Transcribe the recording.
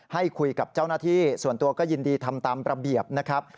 ให้คุยกับเจ้าหน้าที่ส่วนตัวก็ยินดีทำตามระเบียบนะครับ